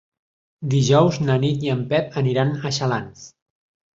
Dijous na Nit i en Pep aniran a Xalans.